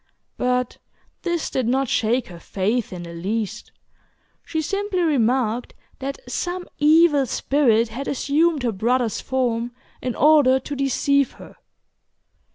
But this did not shake her faith in the least. She simply remarked that some evil spirit had assumed her brother's form in order to deceive her.